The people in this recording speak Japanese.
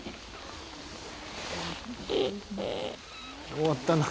「終わったな」